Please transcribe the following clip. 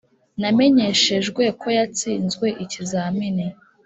] namenyeshejwe ko yatsinzwe ikizamini.